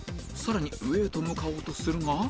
さらに上へと向かおうとするが